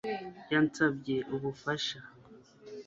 Yansabye ubufasha